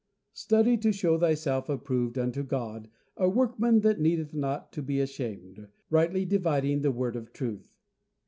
"Study to show thyself approved unto God, a workman that needeth not to be ashamed, rightly dividing the word of truth."